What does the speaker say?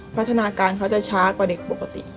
พัฒนาการเขาจะช้ากว่าเด็กปกติ